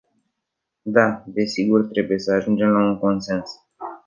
Da, desigur, trebuie să ajungem la un consens.